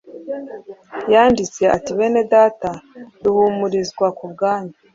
Yaranditse ati: “Bene Data, duhumurizwa ku bwanyu